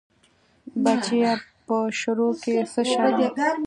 بچيه په شرع کې څه شرم.